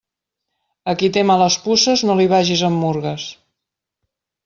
A qui té males puces, no li vagis amb murgues.